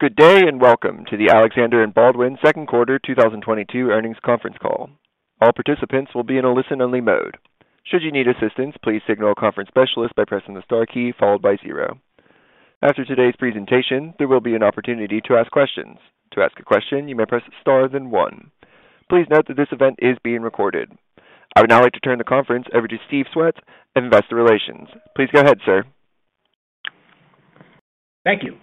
Good day, and welcome to the Alexander & Baldwin second quarter 2022 earnings conference call. All participants will be in a listen-only mode. Should you need assistance, please signal a conference specialist by pressing the star key followed by zero. After today's presentation, there will be an opportunity to ask questions. To ask a question, you may press star then one. Please note that this event is being recorded. I would now like to turn the conference over to Steve Swett, Investor Relations. Please go ahead, sir. Thank you.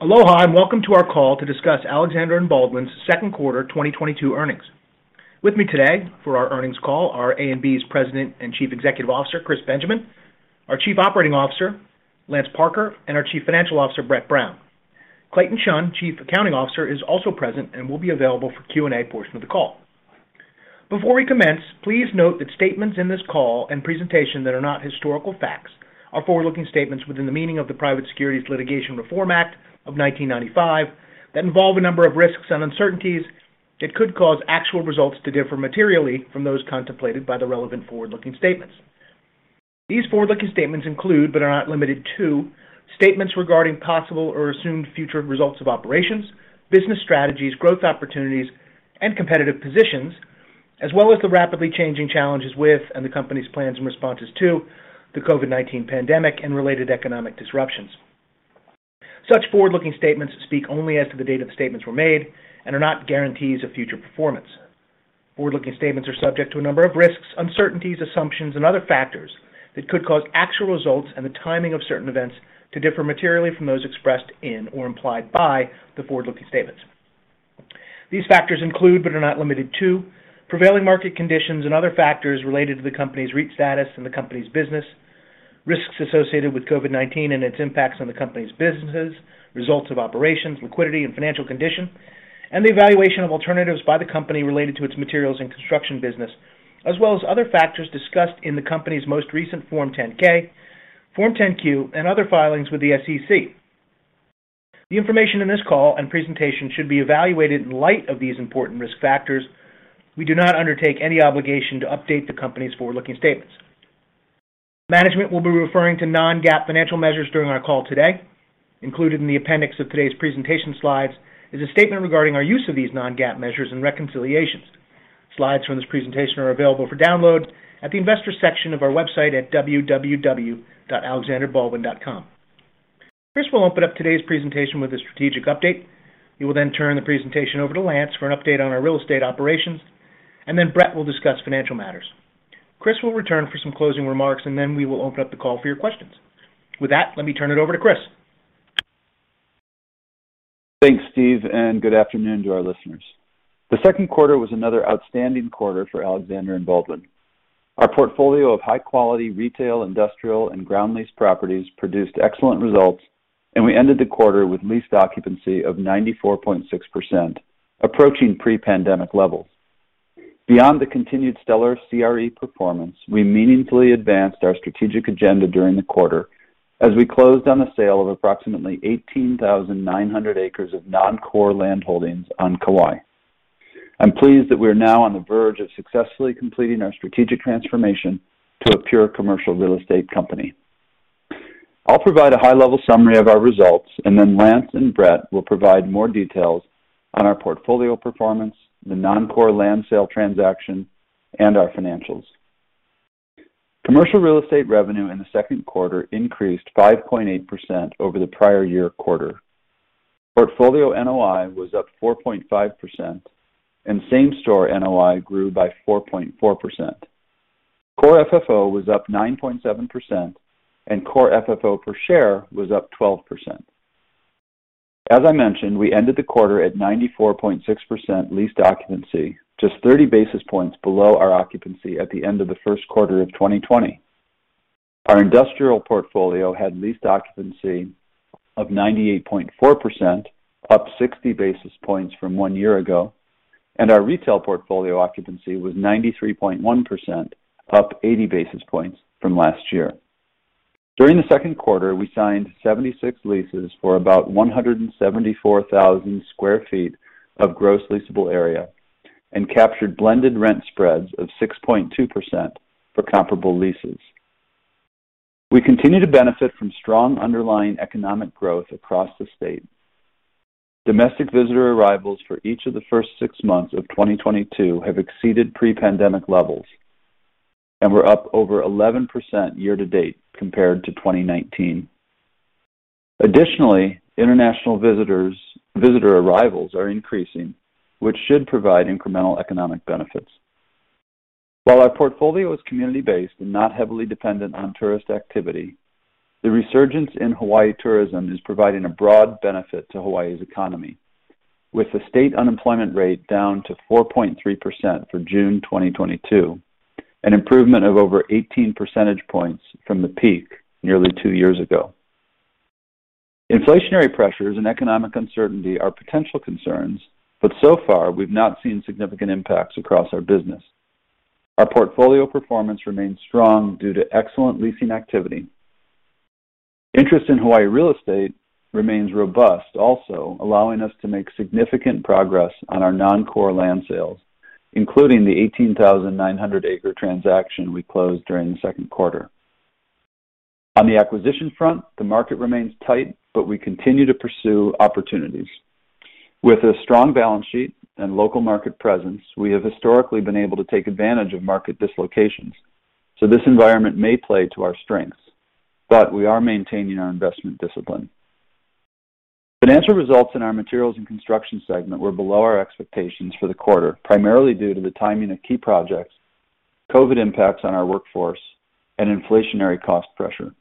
Aloha and welcome to our call to discuss Alexander & Baldwin's second quarter 2022 earnings. With me today for our earnings call are A&B's President and Chief Executive Officer, Chris Benjamin, our Chief Operating Officer, Lance Parker, and our Chief Financial Officer, Brett Brown. Clayton Chun, Chief Accounting Officer, is also present and will be available for Q&A portion of the call. Before we commence, please note that statements in this call and presentation that are not historical facts are forward-looking statements within the meaning of the Private Securities Litigation Reform Act of 1995 that involve a number of risks and uncertainties that could cause actual results to differ materially from those contemplated by the relevant forward-looking statements. These forward-looking statements include, but are not limited to, statements regarding possible or assumed future results of operations, business strategies, growth opportunities, and competitive positions, as well as the rapidly changing challenges with and the company's plans and responses to the COVID-19 pandemic and related economic disruptions. Such forward-looking statements speak only as to the date the statements were made and are not guarantees of future performance. Forward-looking statements are subject to a number of risks, uncertainties, assumptions, and other factors that could cause actual results and the timing of certain events to differ materially from those expressed in or implied by the forward-looking statements. These factors include, but are not limited to prevailing market conditions and other factors related to the company's REIT status and the company's business, risks associated with COVID-19 and its impacts on the company's businesses, results of operations, liquidity and financial condition, and the evaluation of alternatives by the company related to its materials and construction business, as well as other factors discussed in the company's most recent Form 10-K, Form 10-Q, and other filings with the SEC. The information in this call and presentation should be evaluated in light of these important risk factors. We do not undertake any obligation to update the company's forward-looking statements. Management will be referring to non-GAAP financial measures during our call today. Included in the appendix of today's presentation slides is a statement regarding our use of these non-GAAP measures and reconciliations. Slides from this presentation are available for download at the investor section of our website at www.alexanderbaldwin.com. Chris will open up today's presentation with a strategic update. He will then turn the presentation over to Lance for an update on our real estate operations, and then Brett will discuss financial matters. Chris will return for some closing remarks, and then we will open up the call for your questions. With that, let me turn it over to Chris. Thanks, Steve, and good afternoon to our listeners. The second quarter was another outstanding quarter for Alexander & Baldwin. Our portfolio of high-quality retail, industrial, and ground lease properties produced excellent results, and we ended the quarter with leased occupancy of 94.6%, approaching pre-pandemic levels. Beyond the continued stellar CRE performance, we meaningfully advanced our strategic agenda during the quarter as we closed on the sale of approximately 18,900 acres of non-core landholdings on Kauai. I'm pleased that we are now on the verge of successfully completing our strategic transformation to a pure commercial real estate company. I'll provide a high-level summary of our results, and then Lance and Brett will provide more details on our portfolio performance, the non-core land sale transaction, and our financials. Commercial real estate revenue in the second quarter increased 5.8% over the prior year quarter. Portfolio NOI was up 4.5%, and Same-Store NOI grew by 4.4%. Core FFO was up 9.7%, and core FFO per share was up 12%. As I mentioned, we ended the quarter at 94.6% leased occupancy, just 30 basis points below our occupancy at the end of the first quarter of 2020. Our industrial portfolio had leased occupancy of 98.4%, up 60 basis points from one year ago, and our retail portfolio occupancy was 93.1%, up 80 basis points from last year. During the second quarter, we signed 76 leases for about 174,000 sq ft of gross leasable area and captured blended rent spreads of 6.2% for comparable leases. We continue to benefit from strong underlying economic growth across the state. Domestic visitor arrivals for each of the first six months of 2022 have exceeded pre-pandemic levels and were up over 11% year to date compared to 2019. Additionally, international visitor arrivals are increasing, which should provide incremental economic benefits. While our portfolio is community-based and not heavily dependent on tourist activity, the resurgence in Hawaii tourism is providing a broad benefit to Hawaii's economy, with the state unemployment rate down to 4.3% for June 2022, an improvement of over 18 percentage points from the peak nearly two years ago. Inflationary pressures and economic uncertainty are potential concerns, but so far, we've not seen significant impacts across our business. Our portfolio performance remains strong due to excellent leasing activity. Interest in Hawaii real estate remains robust also, allowing us to make significant progress on our non-core land sales, including the 18,900-acre transaction we closed during the second quarter. On the acquisition front, the market remains tight, but we continue to pursue opportunities. With a strong balance sheet and local market presence, we have historically been able to take advantage of market dislocations. This environment may play to our strengths, but we are maintaining our investment discipline. Financial results in our materials and construction segment were below our expectations for the quarter, primarily due to the timing of key projects, COVID impacts on our workforce, and inflationary cost pressure.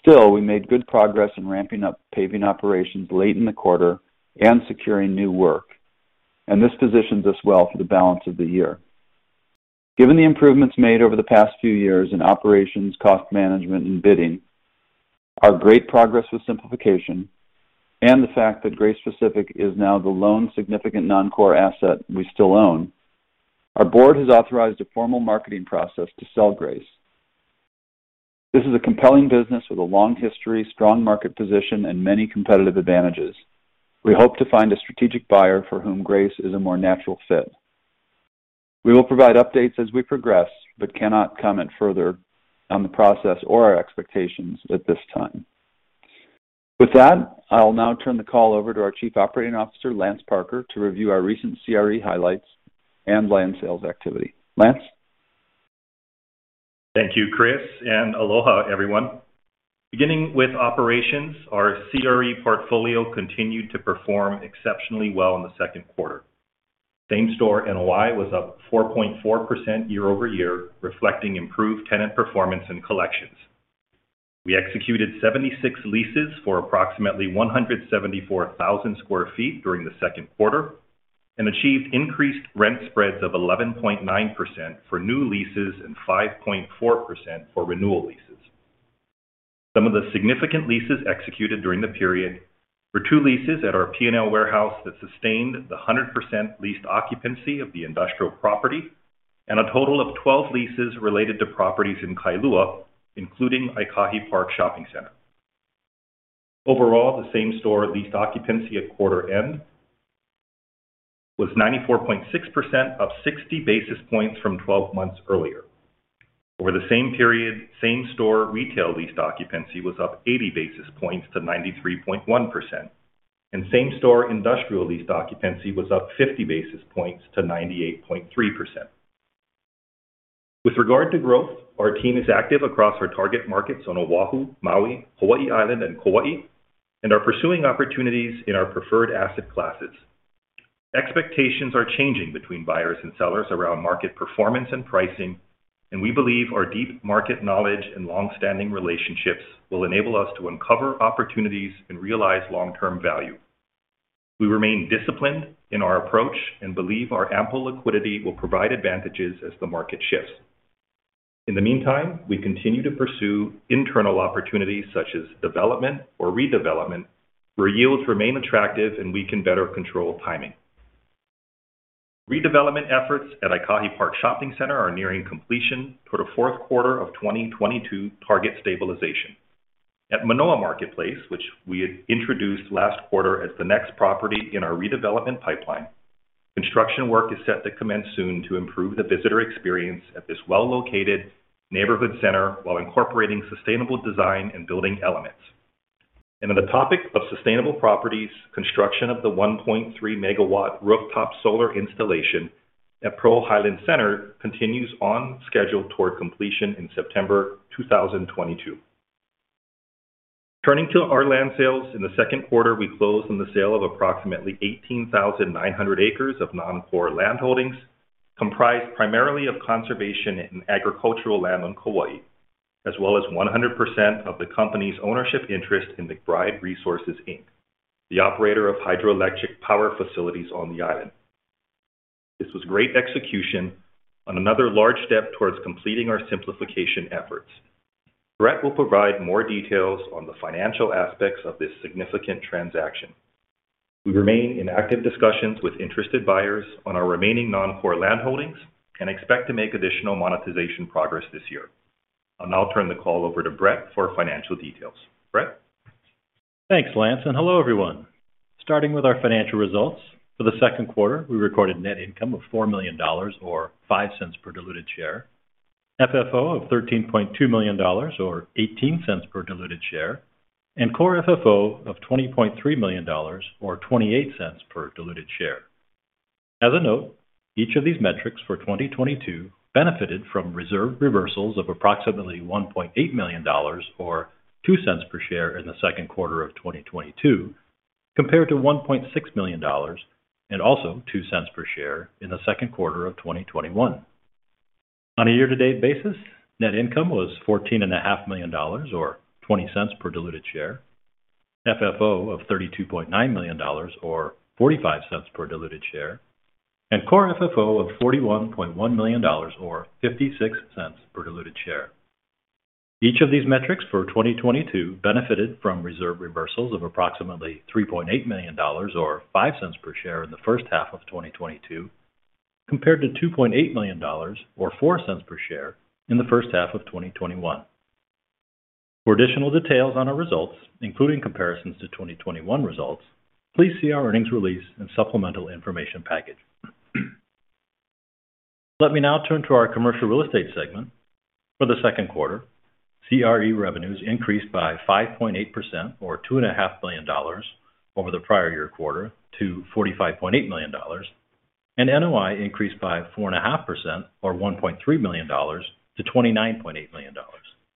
Still, we made good progress in ramping up paving operations late in the quarter and securing new work, and this positions us well for the balance of the year. Given the improvements made over the past few years in operations, cost management, and bidding, our great progress with simplification and the fact that Grace Pacific is now the lone significant non-core asset we still own, our board has authorized a formal marketing process to sell Grace. This is a compelling business with a long history, strong market position, and many competitive advantages. We hope to find a strategic buyer for whom Grace is a more natural fit. We will provide updates as we progress, but cannot comment further on the process or our expectations at this time. With that, I'll now turn the call over to our Chief Operating Officer, Lance Parker, to review our recent CRE highlights and land sales activity. Lance? Thank you, Chris, and aloha everyone. Beginning with operations, our CRE portfolio continued to perform exceptionally well in the second quarter. Same-Store NOI was up 4.4% year-over-year, reflecting improved tenant performance and collections. We executed 76 leases for approximately 174,000 sq ft during the second quarter and achieved increased rent spreads of 11.9% for new leases and 5.4% for renewal leases. Some of the significant leases executed during the period were 2 leases at our P&L Warehouse that sustained the 100% leased occupancy of the industrial property and a total of 12 leases related to properties in Kailua, including Aikahi Park Shopping Center. Overall, the same store leased occupancy at quarter end was 94.6%, up 60 basis points from 12 months earlier. Over the same period, same-store retail leased occupancy was up 80 basis points to 93.1%. Same-store industrial leased occupancy was up 50 basis points to 98.3%. With regard to growth, our team is active across our target markets on Oahu, Maui, Hawaii Island and Kauai and are pursuing opportunities in our preferred asset classes. Expectations are changing between buyers and sellers around market performance and pricing, and we believe our deep market knowledge and long-standing relationships will enable us to uncover opportunities and realize long-term value. We remain disciplined in our approach and believe our ample liquidity will provide advantages as the market shifts. In the meantime, we continue to pursue internal opportunities such as development or redevelopment, where yields remain attractive and we can better control timing. Redevelopment efforts at Aikahi Park Shopping Center are nearing completion toward a fourth quarter of 2022 target stabilization. At Manoa Marketplace, which we had introduced last quarter as the next property in our redevelopment pipeline, construction work is set to commence soon to improve the visitor experience at this well-located neighborhood center while incorporating sustainable design and building elements. On the topic of sustainable properties, construction of the 1.3-megawatt rooftop solar installation at Pearl Highlands Center continues on schedule toward completion in September 2022. Turning to our land sales. In the second quarter, we closed on the sale of approximately 18,900 acres of non-core land holdings, comprised primarily of conservation and agricultural land on Kauai, as well as 100% of the company's ownership interest in McBryde Resources Inc, the operator of hydroelectric power facilities on the island. This was great execution on another large step towards completing our simplification efforts. Brett will provide more details on the financial aspects of this significant transaction. We remain in active discussions with interested buyers on our remaining non-core landholdings and expect to make additional monetization progress this year. I'll now turn the call over to Brett for financial details. Brett? Thanks, Lance, and hello everyone. Starting with our financial results. For the second quarter, we recorded net income of $4 million or $0.05 per diluted share, FFO of $13.2 million or $0.18 per diluted share, and core FFO of $20.3 million or $0.28 per diluted share. As a note, each of these metrics for 2022 benefited from reserve reversals of approximately $1.8 million or $0.02 per share in the second quarter of 2022, compared to $1.6 million and also $0.02 per share in the second quarter of 2021. On a year-to-date basis, net income was $14.5 million or $0.20 per diluted share, FFO of $32.9 million or $0.45 per diluted share, and core FFO of $41.1 million or $0.56 per diluted share. Each of these metrics for 2022 benefited from reserve reversals of approximately $3.8 million or $0.05 per share in the first half of 2022, compared to $2.8 million or $0.04 per share in the first half of 2021. For additional details on our results, including comparisons to 2021 results, please see our earnings release and supplemental information package. Let me now turn to our commercial real estate segment. For the second quarter, CRE revenues increased by 5.8% or $2.5 million over the prior year quarter to $45.8 million. NOI increased by 4.5% or $1.3 million to $29.8 million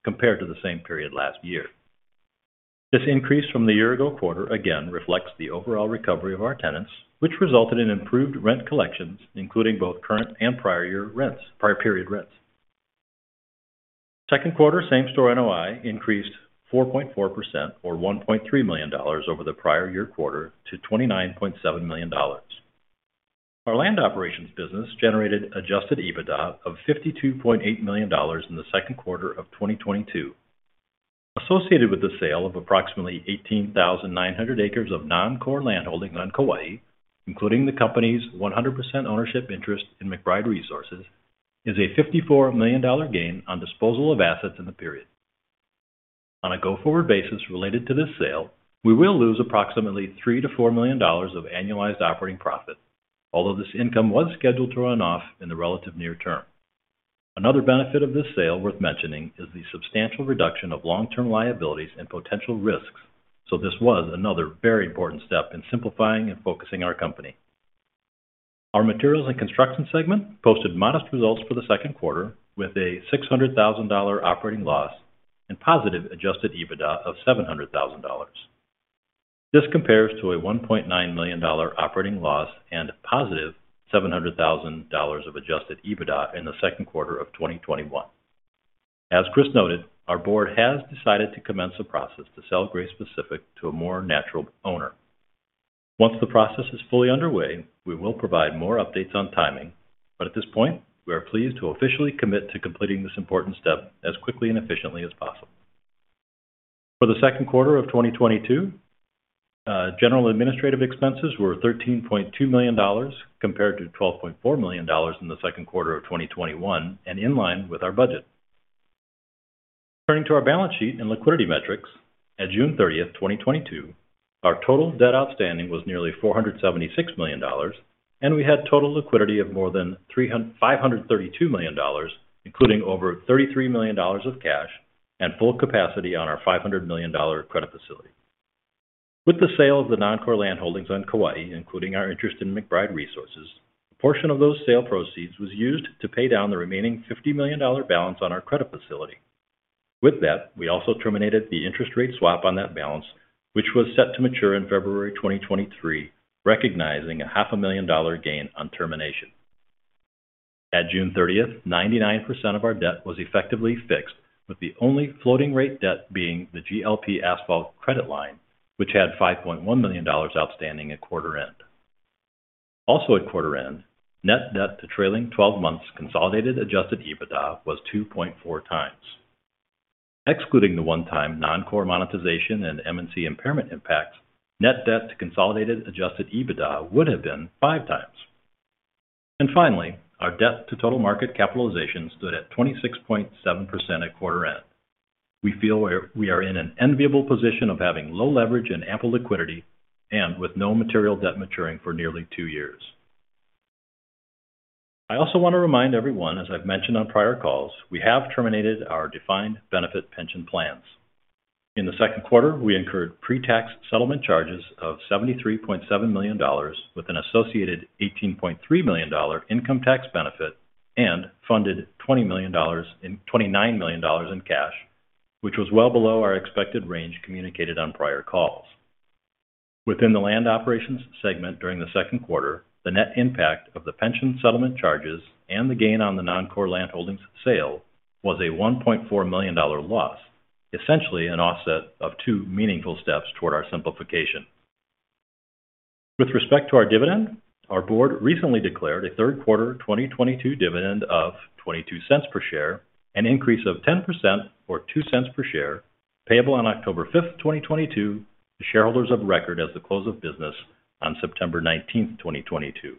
compared to the same period last year. This increase from the year ago quarter again reflects the overall recovery of our tenants, which resulted in improved rent collections, including both current and prior year rents, prior period rents. Second quarter Same-Store NOI increased 4.4% or $1.3 million over the prior year quarter to $29.7 million. Our land operations business generated adjusted EBITDA of $52.8 million in the second quarter of 2022. Associated with the sale of approximately 18,900 acres of non-core landholding on Kauai, including the company's 100% ownership interest in McBryde Resources, is a $54 million gain on disposal of assets in the period. On a go-forward basis related to this sale, we will lose approximately $3 million-$4 million of annualized operating profit, although this income was scheduled to run off in the relative near term. Another benefit of this sale worth mentioning is the substantial reduction of long-term liabilities and potential risks, so this was another very important step in simplifying and focusing our company. Our materials and construction segment posted modest results for the second quarter with a $600,000 operating loss and positive adjusted EBITDA of $700,000. This compares to a $1.9 million operating loss and positive $700,000 of adjusted EBITDA in the second quarter of 2021. As Chris noted, our board has decided to commence a process to sell Grace Pacific to a more natural owner. Once the process is fully underway, we will provide more updates on timing, but at this point, we are pleased to officially commit to completing this important step as quickly and efficiently as possible. For the second quarter of 2022, general and administrative expenses were $13.2 million compared to $12.4 million in the second quarter of 2021 and in line with our budget. Turning to our balance sheet and liquidity metrics, at June 30, 2022, our total debt outstanding was nearly $476 million, and we had total liquidity of more than $532 million, including over $33 million of cash and full capacity on our $500 million credit facility. With the sale of the non-core land holdings on Kauai, including our interest in McBryde Resources, a portion of those sale proceeds was used to pay down the remaining $50 million balance on our credit facility. With that, we also terminated the interest rate swap on that balance, which was set to mature in February 2023, recognizing a half a million dollar gain on termination. At June 30, 99% of our debt was effectively fixed, with the only floating rate debt being the Grace Pacific credit line, which had $5.1 million outstanding at quarter end. Also at quarter end, net debt to trailing twelve months consolidated adjusted EBITDA was 2.4x. Excluding the one-time non-core monetization and M&C impairment impact, net debt to consolidated adjusted EBITDA would have been 5x. Finally, our debt to total market capitalization stood at 26.7% at quarter end. We feel we are in an enviable position of having low leverage and ample liquidity and with no material debt maturing for nearly two years. I also want to remind everyone, as I've mentioned on prior calls, we have terminated our defined benefit pension plans. In the second quarter, we incurred pre-tax settlement charges of $73.7 million with an associated $18.3 million income tax benefit and funded $29 million in cash, which was well below our expected range communicated on prior calls. Within the land operations segment during the second quarter, the net impact of the pension settlement charges and the gain on the non-core land holdings sale was a $1.4 million loss, essentially an offset of two meaningful steps toward our simplification. With respect to our dividend, our board recently declared a third quarter 2022 dividend of $0.22 per share, an increase of 10% or $0.02 per share, payable on October fifth, 2022 to shareholders of record at the close of business on September nineteenth, 2022.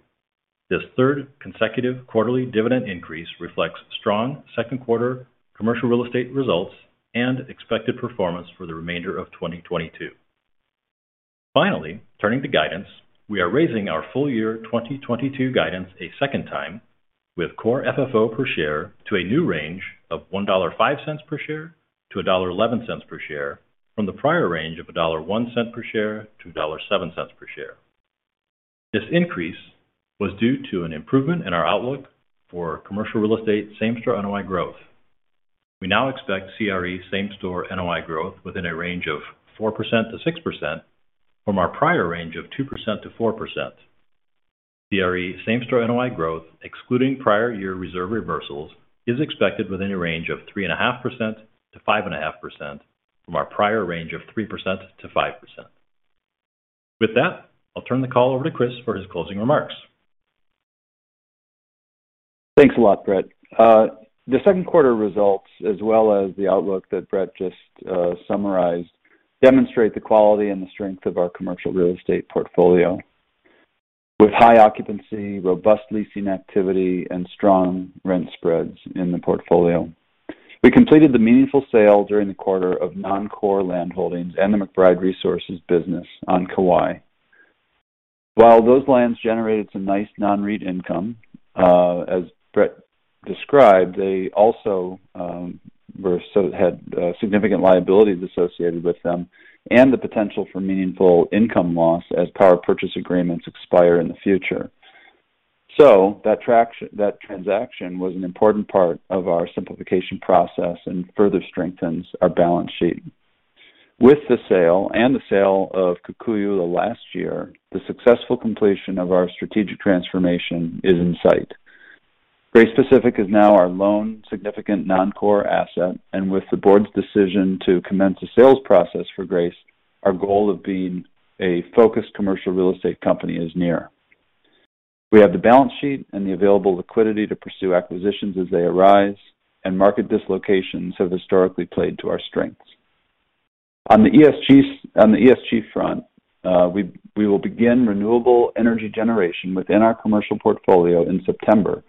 This third consecutive quarterly dividend increase reflects strong second quarter commercial real estate results and expected performance for the remainder of 2022. Finally, turning to guidance, we are raising our full-year 2022 guidance a second time with Core FFO per share to a new range of $1.05 per share-$1.11 per share from the prior range of $1.01 per share-$1.07 per share. This increase was due to an improvement in our outlook for commercial real estate Same-Store NOI growth. We now expect CRE Same-Store NOI growth within a range of 4%-6% from our prior range of 2%-4%. CRE Same-Store NOI growth, excluding prior year reserve reversals, is expected within a range of 3.5%-5.5% from our prior range of 3%-5%. With that, I'll turn the call over to Chris for his closing remarks. Thanks a lot, Brett. The second quarter results as well as the outlook that Brett just summarized demonstrate the quality and the strength of our commercial real estate portfolio. With high occupancy, robust leasing activity, and strong rent spreads in the portfolio. We completed the meaningful sale during the quarter of non-core land holdings and the McBryde Resources business on Kauai. While those lands generated some nice non-REIT income, as Brett described, they also had significant liabilities associated with them and the potential for meaningful income loss as power purchase agreements expire in the future. That transaction was an important part of our simplification process and further strengthens our balance sheet. With the sale and the sale of Kukui'ula last year, the successful completion of our strategic transformation is in sight. Grace Pacific is now our only significant non-core asset, and with the board's decision to commence a sales process for Grace, our goal of being a focused commercial real estate company is near. We have the balance sheet and the available liquidity to pursue acquisitions as they arise, and market dislocations have historically played to our strengths. On the ESG front, we will begin renewable energy generation within our commercial portfolio in September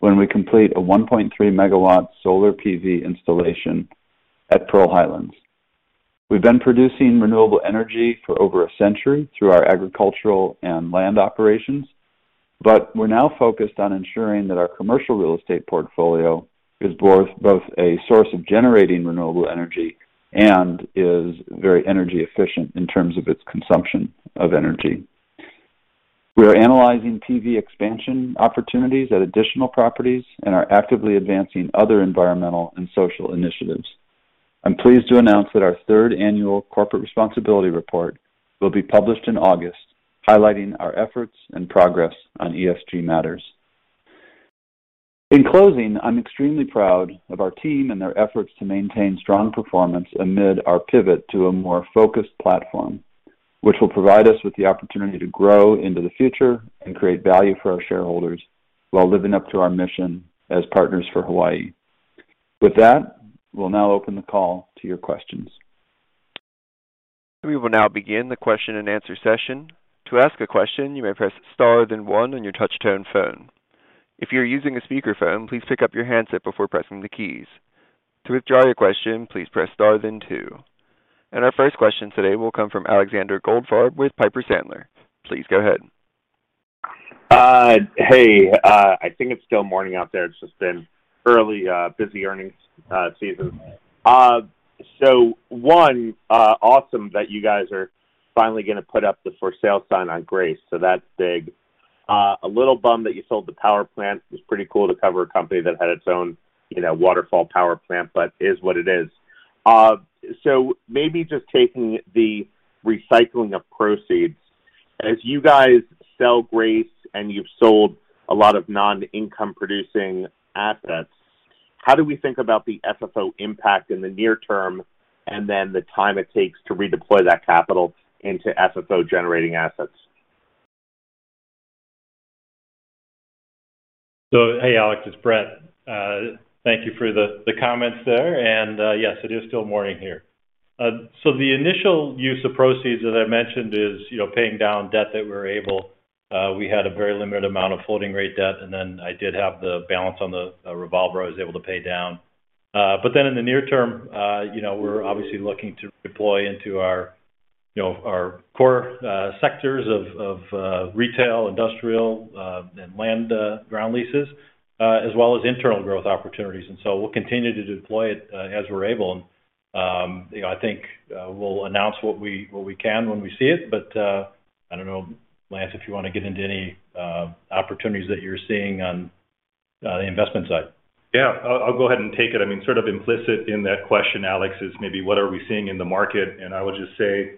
when we complete a 1.3 MW solar PV installation at Pearl Highlands. We've been producing renewable energy for over a century through our agricultural and land operations, but we're now focused on ensuring that our commercial real estate portfolio is both a source of generating renewable energy and is very energy efficient in terms of its consumption of energy. We are analyzing PV expansion opportunities at additional properties and are actively advancing other environmental and social initiatives. I'm pleased to announce that our third annual corporate responsibility report will be published in August, highlighting our efforts and progress on ESG matters. In closing, I'm extremely proud of our team and their efforts to maintain strong performance amid our pivot to a more focused platform, which will provide us with the opportunity to grow into the future and create value for our shareholders while living up to our mission as partners for Hawaii. With that, we'll now open the call to your questions. We will now begin the question-and-answer session. To ask a question, you may press star then one on your touch-tone phone. If you're using a speakerphone, please pick up your handset before pressing the keys. To withdraw your question, please press star then two. Our first question today will come from Alexander Goldfarb with Piper Sandler. Please go ahead. Hey, I think it's still morning out there. It's just been early, busy earnings season. Awesome that you guys are finally gonna put up the for sale sign on Grace. That's big. A little bummed that you sold the power plant. It was pretty cool to cover a company that had its own, you know, waterfall power plant, but it is what it is. Maybe just taking the recycling of proceeds. As you guys sell Grace and you've sold a lot of non-income producing assets, how do we think about the FFO impact in the near term and then the time it takes to redeploy that capital into FFO-generating assets? Hey, Alex, it's Brett. Thank you for the comments there. Yes, it is still morning here. The initial use of proceeds, as I mentioned, is, you know, paying down debt that we're able. We had a very limited amount of floating rate debt, and then I did have the balance on the revolver I was able to pay down. In the near term, you know, we're obviously looking to deploy into our, you know, our core sectors of retail, industrial, and land, ground leases, as well as internal growth opportunities. We'll continue to deploy it as we're able. You know, I think we'll announce what we can when we see it. I don't know, Lance, if you want to get into any opportunities that you're seeing on the investment side. Yeah, I'll go ahead and take it. I mean, sort of implicit in that question, Alex, is maybe what are we seeing in the market? I would just say,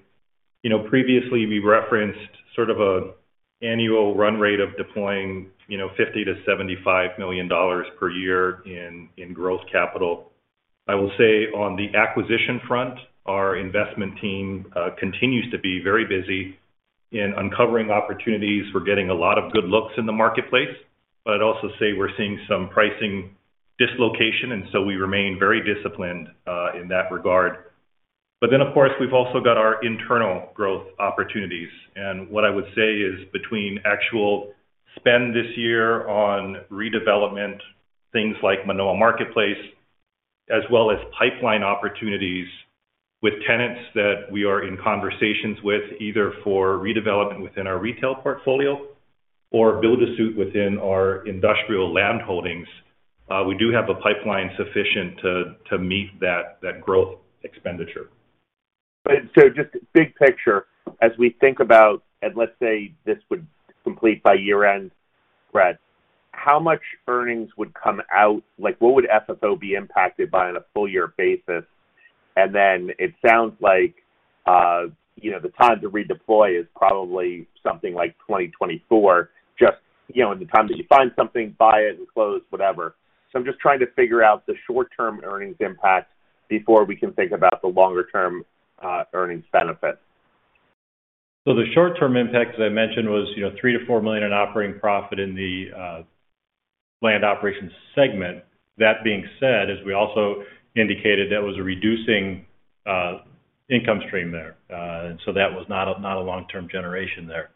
you know, previously we referenced sort of a annual run rate of deploying, you know, $50-$75 million per year in gross capital. I will say on the acquisition front, our investment team continues to be very busy in uncovering opportunities. We're getting a lot of good looks in the marketplace, but I'd also say we're seeing some pricing dislocation, and so we remain very disciplined in that regard. Of course, we've also got our internal growth opportunities. What I would say is between actual spend this year on redevelopment, things like Manoa Marketplace, as well as pipeline opportunities with tenants that we are in conversations with, either for redevelopment within our retail portfolio or build-to-suit within our industrial landholdings, we do have a pipeline sufficient to meet that growth expenditure. Just big picture, as we think about and let's say this would complete by year-end, Brett, how much earnings would come out? Like, what would FFO be impacted by on a full year basis? It sounds like, you know, the time to redeploy is probably something like 2024, just, you know, in the time that you find something, buy it and close, whatever. I'm just trying to figure out the short-term earnings impact before we can think about the longer-term, earnings benefit. The short-term impact, as I mentioned, was, you know, $3 million-$4 million in operating profit in the land operations segment. That being said, as we also indicated, that was a reducing income stream there. That was not a long-term generation there.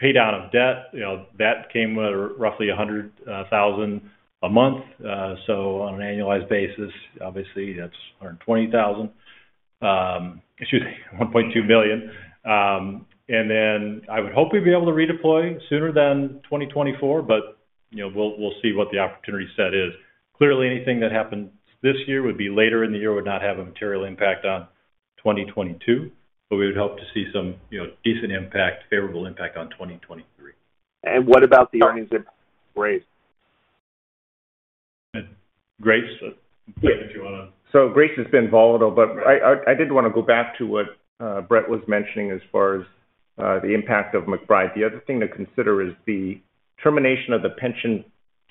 Pay down of debt, you know, debt came at roughly $100,000 a month. So on an annualized basis, obviously that's around $20,000. Excuse me, $1.2 million. And then I would hope we'd be able to redeploy sooner than 2024, but, you know, we'll see what the opportunity set is. Clearly, anything that happens this year would be later in the year would not have a material impact on 2022, but we would hope to see some, you know, decent impact, favorable impact on 2023. What about the earnings Grace? Grace? Yeah. If you wanna. Grace has been volatile, but I did wanna go back to what Brett was mentioning as far as the impact of McBryde. The other thing to consider is the termination of the pension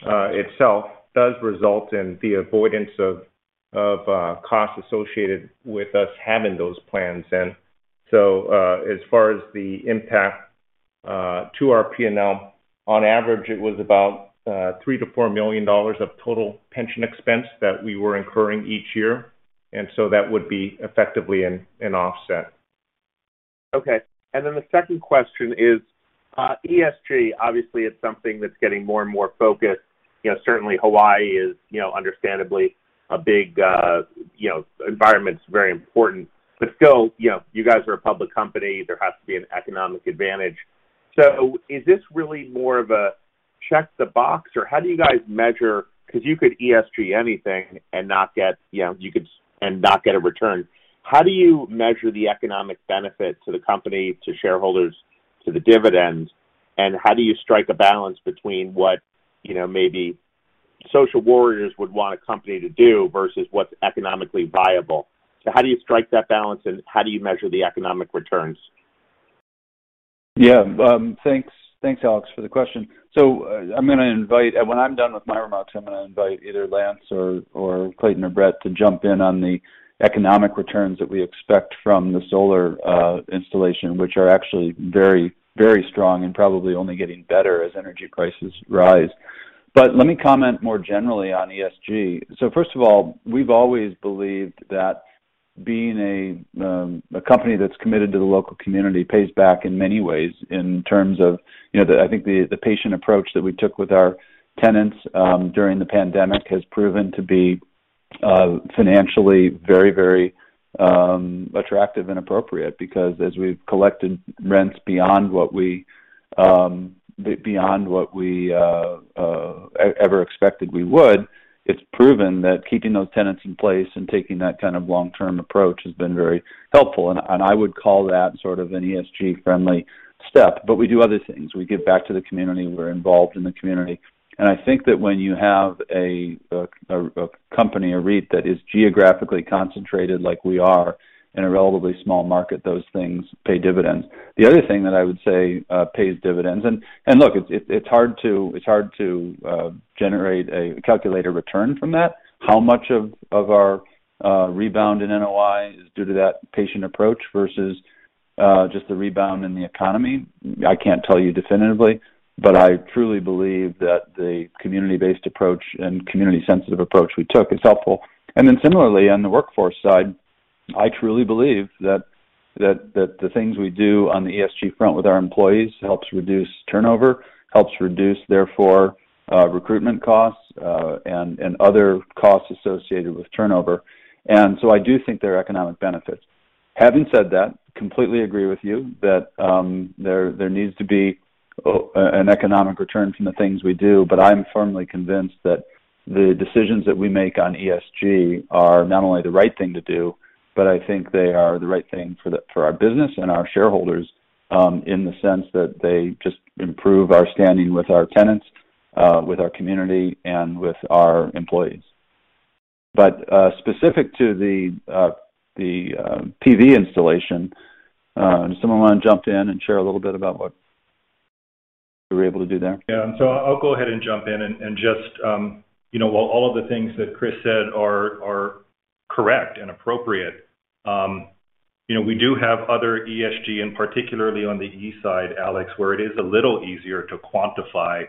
itself does result in the avoidance of costs associated with us having those plans. As far as the impact to our P&L, on average, it was about $3 million-$4 million of total pension expense that we were incurring each year. That would be effectively an offset. Okay. The second question is, ESG, obviously, it's something that's getting more and more focused. You know, certainly Hawaii is, you know, understandably a big, environment's very important, but still, you know, you guys are a public company. There has to be an economic advantage. Is this really more of a check the box? Or how do you guys measure, 'cause you could ESG anything and not get, you know, a return. How do you measure the economic benefit to the company, to shareholders, to the dividends, and how do you strike a balance between what, you know, maybe social warriors would want a company to do versus what's economically viable? How do you strike that balance, and how do you measure the economic returns? Thanks. Thanks, Alex, for the question. When I'm done with my remarks, I'm gonna invite either Lance or Clayton or Brett to jump in on the economic returns that we expect from the solar installation, which are actually very, very strong and probably only getting better as energy prices rise. Let me comment more generally on ESG. First of all, we've always believed that being a company that's committed to the local community pays back in many ways in terms of, you know the. I think the patient approach that we took with our tenants during the pandemic has proven to be financially very attractive and appropriate because as we've collected rents beyond what we ever expected we would, it's proven that keeping those tenants in place and taking that kind of long-term approach has been very helpful. I would call that sort of an ESG-friendly step. We do other things. We give back to the community. We're involved in the community. I think that when you have a company, a REIT that is geographically concentrated like we are in a relatively small market, those things pay dividends. The other thing that I would say pays dividends. Look, it's hard to calculate a return from that. How much of our rebound in NOI is due to that patient approach versus just the rebound in the economy? I can't tell you definitively, but I truly believe that the community-based approach and community-sensitive approach we took is helpful. Then similarly, on the workforce side, I truly believe that the things we do on the ESG front with our employees helps reduce turnover, helps reduce, therefore, recruitment costs, and other costs associated with turnover. I do think there are economic benefits. Having said that, completely agree with you that there needs to be an economic return from the things we do, but I'm firmly convinced that the decisions that we make on ESG are not only the right thing to do, but I think they are the right thing for our business and our shareholders, in the sense that they just improve our standing with our tenants, with our community, and with our employees. Specific to the PV installation, does someone wanna jump in and share a little bit about what we were able to do there? Yeah. I'll go ahead and jump in and just you know, while all of the things that Chris said are correct and appropriate, you know, we do have other ESG, and particularly on the E side, Alex, where it is a little easier to quantify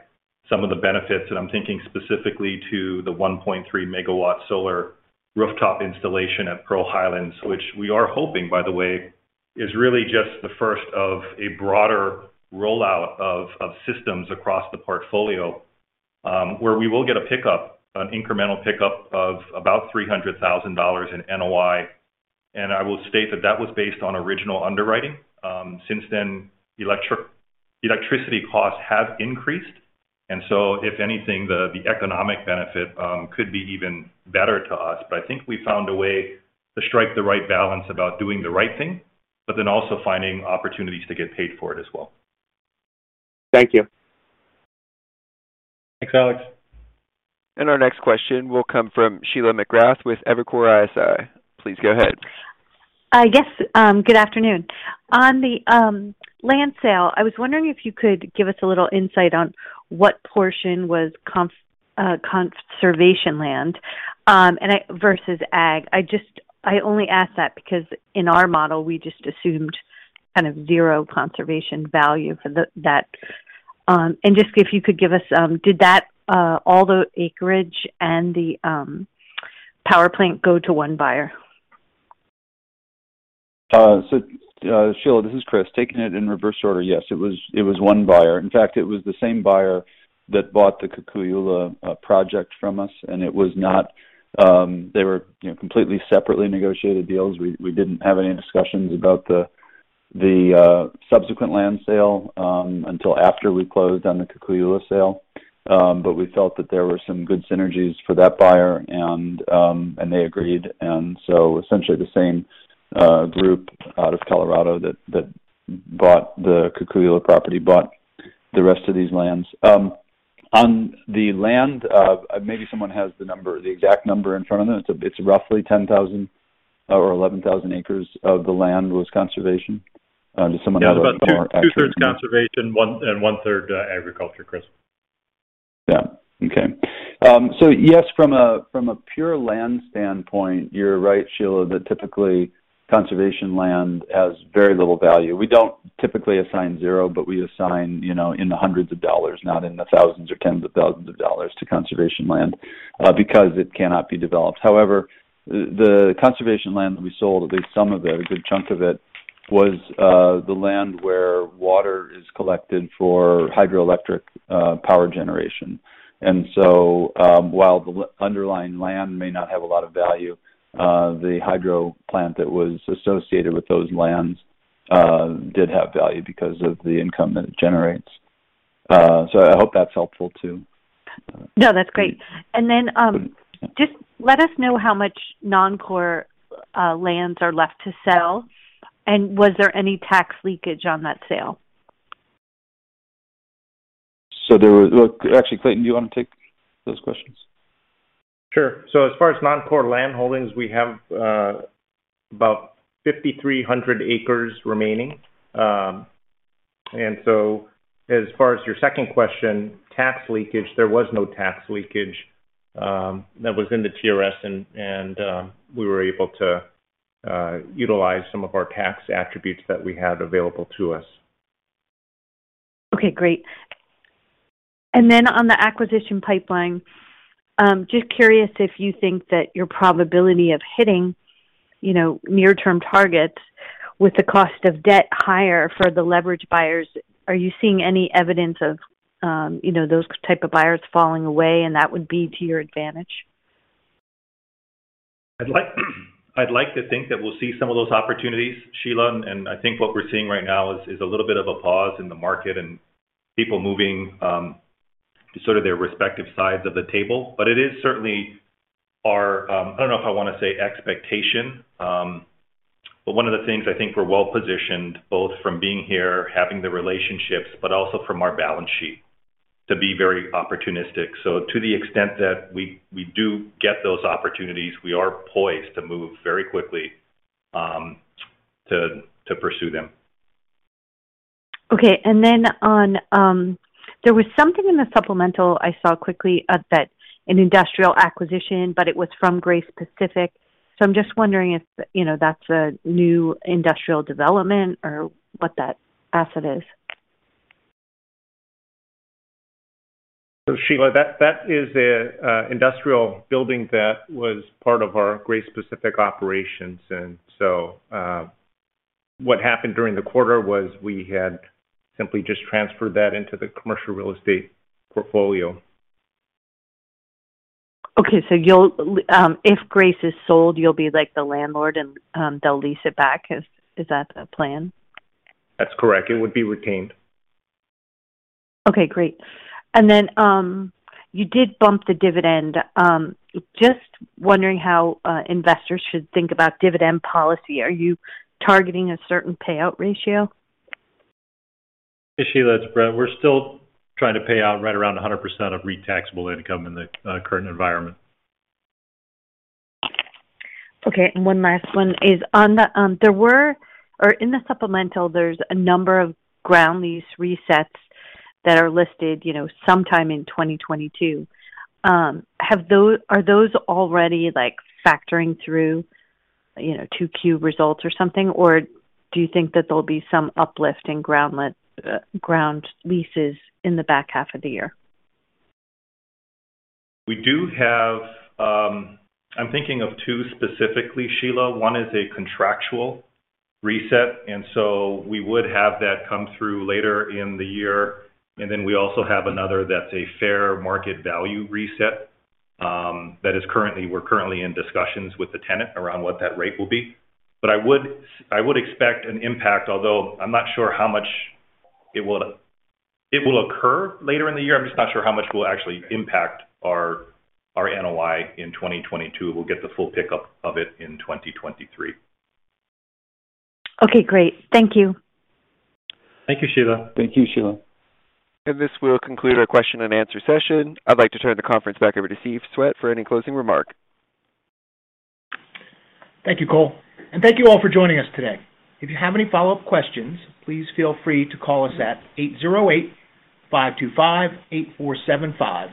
some of the benefits, and I'm thinking specifically to the 1.3-megawatt solar rooftop installation at Pearl Highlands, which we are hoping, by the way, is really just the first of a broader rollout of systems across the portfolio, where we will get a pickup, an incremental pickup of about $300,000 in NOI. I will state that that was based on original underwriting. Since then, electricity costs have increased, and so if anything, the economic benefit could be even better to us. I think we found a way to strike the right balance about doing the right thing, but then also finding opportunities to get paid for it as well. Thank you. Thanks, Alex. Our next question will come from Sheila McGrath with Evercore ISI. Please go ahead. Yes. Good afternoon. On the land sale, I was wondering if you could give us a little insight on what portion was conservation land versus ag. I only ask that because in our model, we just assumed kind of zero conservation value for that. Just if you could give us, did all the acreage and the power plant go to one buyer? Sheila, this is Chris. Taking it in reverse order. Yes, it was one buyer. In fact, it was the same buyer that bought the Kukui'ula project from us. They were, you know, completely separately negotiated deals. We didn't have any discussions about the subsequent land sale until after we closed on the Kukui'ula sale. We felt that there were some good synergies for that buyer, and they agreed. Essentially the same group out of Colorado that bought the Kukui'ula property bought the rest of these lands. On the land, maybe someone has the number, the exact number in front of them. It's roughly 10,000 or 11,000 acres of the land was conservation. Does someone have a more accurate Yeah, about two thirds conservation, one and one third, agriculture, Chris. Yeah. Okay. Yes, from a pure land standpoint, you're right, Sheila, that typically conservation land has very little value. We don't typically assign zero, but we assign, you know, in the hundreds of dollars, not in the thousands or tens of thousands of dollars to conservation land, because it cannot be developed. However, the conservation land that we sold, at least some of it, a good chunk of it, was the land where water is collected for hydroelectric power generation. While the underlying land may not have a lot of value, the hydro plant that was associated with those lands did have value because of the income that it generates. I hope that's helpful too. No, that's great. Then, just let us know how much non-core lands are left to sell, and was there any tax leakage on that sale? Look, actually, Clayton, do you wanna take those questions? Sure. As far as non-core land holdings, we have about 5,300 acres remaining. As far as your second question, tax leakage, there was no tax leakage, that was in the TRS and we were able to utilize some of our tax attributes that we had available to us. Okay, great. On the acquisition pipeline, just curious if you think that your probability of hitting, you know, near-term targets with the cost of debt higher for the leveraged buyers. Are you seeing any evidence of, you know, those type of buyers falling away, and that would be to your advantage? I'd like to think that we'll see some of those opportunities, Sheila, and I think what we're seeing right now is a little bit of a pause in the market and people moving to sort of their respective sides of the table. It is certainly our, I don't know if I wanna say expectation, but one of the things I think we're well positioned, both from being here, having the relationships, but also from our balance sheet to be very opportunistic. To the extent that we do get those opportunities, we are poised to move very quickly to pursue them. There was something in the supplemental I saw quickly that an industrial acquisition, but it was from Grace Pacific. I'm just wondering if, you know, that's a new industrial development or what that asset is. Sheila, that is a industrial building that was part of our Grace Pacific operations, and so, what happened during the quarter was we had simply just transferred that into the commercial real estate portfolio. Okay. If Grace is sold, you'll be like the landlord and they'll lease it back. Is that the plan? That's correct. It would be retained. Okay, great. You did bump the dividend. Just wondering how investors should think about dividend policy. Are you targeting a certain payout ratio? Hey, Sheila, it's Brett. We're still trying to pay out right around 100% of REIT taxable income in the current environment. Okay. One last one is on the supplemental. There's a number of ground lease resets that are listed, you know, sometime in 2022. Are those already like factoring through, you know, 2Q results or something? Or do you think that there'll be some uplift in ground leases in the back half of the year? We do have. I'm thinking of two specifically, Sheila. One is a contractual reset, and so we would have that come through later in the year. Then we also have another that's a fair market value reset. We're currently in discussions with the tenant around what that rate will be. I would expect an impact, although I'm not sure how much. It will occur later in the year. I'm just not sure how much will actually impact our NOI in 2022. We'll get the full pickup of it in 2023. Okay, great. Thank you. Thank you, Sheila. Thank you, Sheila. This will conclude our question and answer session. I'd like to turn the conference back over to Steve Swett for any closing remark. Thank you, Cole, and thank you all for joining us today. If you have any follow-up questions, please feel free to call us at 808-525-8475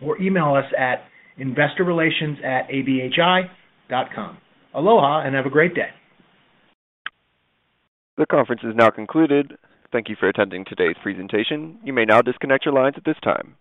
or email us at investorrelations@abhi.com. Aloha and have a great day. The conference is now concluded. Thank you for attending today's presentation. You may now disconnect your lines at this time.